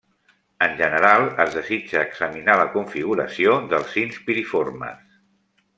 En general es desitja examinar la configuració dels sins piriformes.